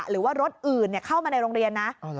หรือว่ารถอื่นเข้ามาในโรงเรียนนะ